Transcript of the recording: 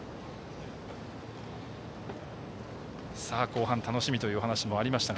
後半楽しみというお話がありました。